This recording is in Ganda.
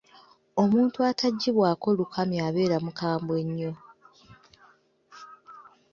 Omuntu ataggyibwako lukamyo abeera mukambwe ennyo.